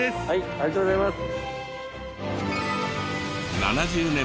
ありがとうございます。